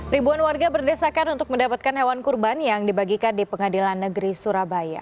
ribuan warga berdesakan untuk mendapatkan hewan kurban yang dibagikan di pengadilan negeri surabaya